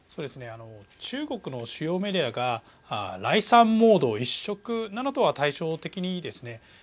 あの、中国の主要メディアが礼賛モード一色なのとは対照的にですね